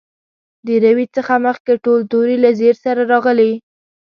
د روي څخه مخکې ټول توري له زېر سره راغلي.